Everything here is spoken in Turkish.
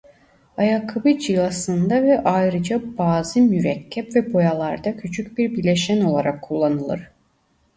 Ayakkabı cilasında ve ayrıca bazı mürekkep ve boyalarda küçük bir bileşen olarak kullanılır.